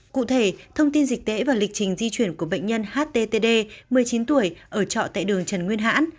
cụ thể thông tin dịch tễ và lịch trình di chuyển của bệnh nhân httd một mươi chín tuổi ở trọ tại đường trần nguyên hãn